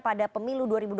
pada pemilu dua ribu dua puluh